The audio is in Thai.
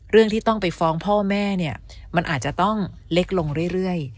เรื่องที่ต้องไปฟ้องพ่อแม่เนี่ยมันอาจจะต้องเล็กลงเรื่อย